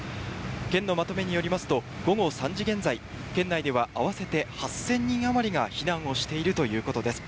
県のまとめによりますと、午後３時現在、県内では合わせて８０００人余りが避難をしているということです。